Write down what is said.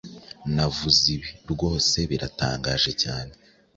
Navuze Ibi, rwose, biratangaje cyane;